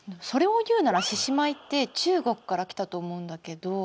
それを言うなら獅子舞って中国から来たと思うんだけど。